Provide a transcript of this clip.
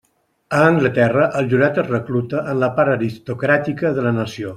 A Anglaterra el jurat es recluta en la part aristocràtica de la nació.